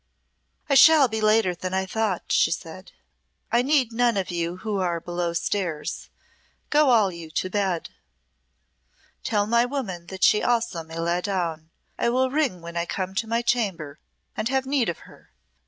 "I shall be later than I thought," she said. "I need none of you who are below stairs. Go you all to bed. Tell my woman that she also may lie down. I will ring when I come to my chamber and have need of her.